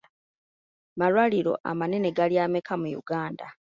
Malwaliro amanene gali ameka mu Uganda?